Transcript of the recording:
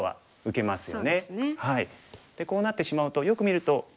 でこうなってしまうとよく見ると。